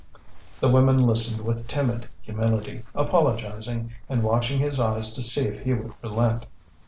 The women listened with timid humility, apologizing, and watching his eyes to see if he would relent.